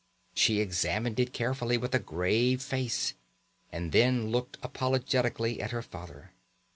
She examined it carefully with a grave face, and then looked apologetically at her father.